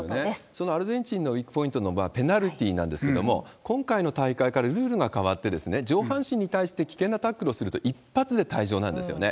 そのアルゼンチンのウイークポイントのペナルティーなんですが、今回の大会からルールが変わって、上半身に対して危険なタックルをすると一発で退場なんですよね。